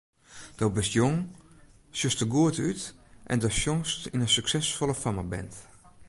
Do bist jong, sjochst der goed út en do sjongst yn in suksesfolle fammeband.